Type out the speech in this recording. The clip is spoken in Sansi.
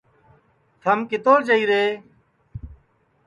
تھم کِتوڑ جائیرے